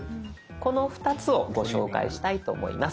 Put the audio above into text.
この２つをご紹介したいと思います。